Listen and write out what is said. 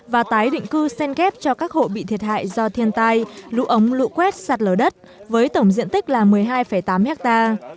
và tái định cư sen ghép cho các hộ bị thiệt hại do thiên tai lũ ống lũ quét sạt lở đất với tổng diện tích là một mươi hai tám hectare